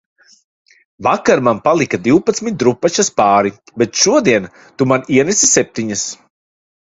Vakar man palika divpadsmit drupačas pāri, bet šodien tu man ienesi septiņas